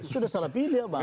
itu sudah salah pilih ya bang